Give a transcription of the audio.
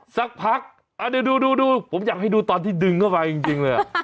สักพักเดี๋ยวดูผมอยากให้ดูตอนที่ดึงเข้าไปจริงเลย